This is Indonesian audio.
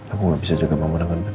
aku gak bisa jaga mama dengan benar